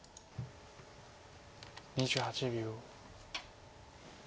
２８秒。